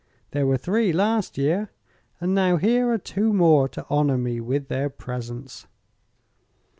There were three last year, and now here are two more to honor me with their presence."